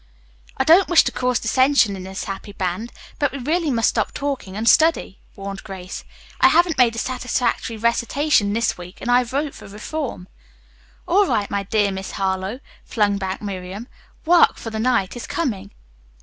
"I don't wish to cause dissension in this happy band, but we really must stop talking and study," warned Grace. "I haven't made a satisfactory recitation this week, and I vote for reform." "All right, my dear Miss Harlowe," flung back Miriam. "'Work, for the Night is Coming.'"